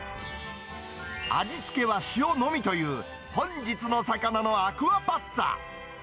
味付けは塩のみという、本日の魚のアクアパッツァ。